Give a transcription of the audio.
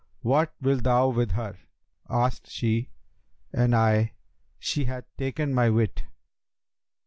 'What wilt thou with her?' asked she; and I, 'She hath taken my wit.'